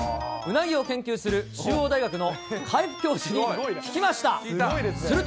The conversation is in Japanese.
ウナギを研究する中央大学の海部教授に聞きました。